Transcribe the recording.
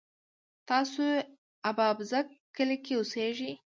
تاسو اببازک کلي کی اوسیږئ؟